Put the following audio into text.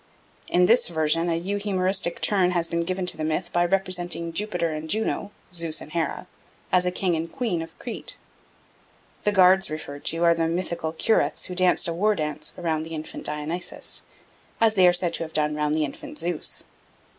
In this version a Euhemeristic turn has been given to the myth by representing Jupiter and Juno (Zeus and Hera) as a king and queen of Crete. The guards referred to are the mythical Curetes who danced a war dance round the infant Dionysus, as they are said to have done round the infant Zeus.